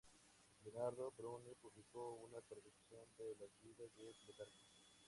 Leonardo Bruni publicó una traducción de las "Vidas" de Plutarco.